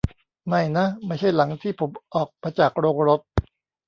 ไม่นะ ไม่ใช่หลังที่ผมออกมาจากโรงรถ